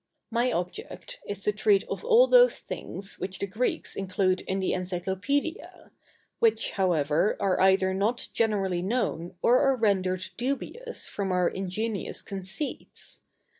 My object is to treat of all those things which the Greeks include in the Encyclopædia, which, however, are either not generally known or are rendered dubious from our ingenious conceits.